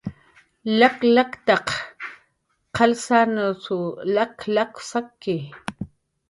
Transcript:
Lak laktaq qalsananw lak lak saki